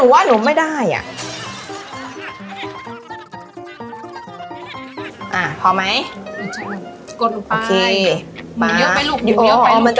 สอง